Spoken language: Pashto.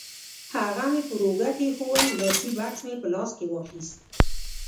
هغه مې پر اوږه کېښوول، لاسي بکس مې په لاس کې واخیست.